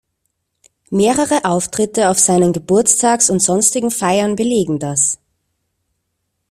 Mehrere Auftritte auf seinen Geburtstags- und sonstigen Feiern belegen das.